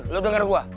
lu denger gua